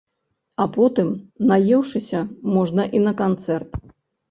А потым, наеўшыся, можна і на канцэрт.